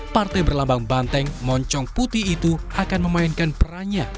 partai berlambang banteng moncong putih itu akan memainkan perannya